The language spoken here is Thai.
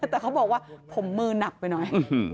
แต่เขาบอกว่าผมมือหนักไปหน่อย